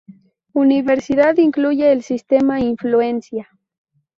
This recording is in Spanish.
Universidad incluye el sistema Influencia.